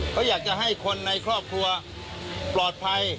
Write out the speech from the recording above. เขาอยากจะให้คนในครอบครัวปลอดภัย